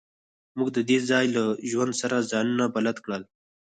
موږ د دې ځای له ژوند سره ځانونه بلد کړل